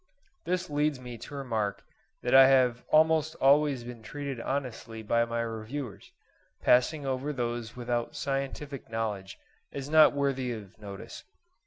This leads me to remark that I have almost always been treated honestly by my reviewers, passing over those without scientific knowledge as not worthy of notice.